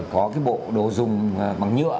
có cái bộ đồ dùng bằng nhựa